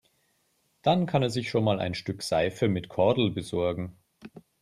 Dann kann er sich schon einmal ein Stück Seife mit Kordel besorgen.